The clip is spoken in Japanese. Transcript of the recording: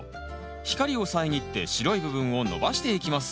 光を遮って白い部分を伸ばしていきます